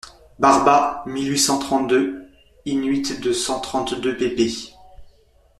Barba, mille huit cent trente-deux, in-huit de cent trente-deux pp.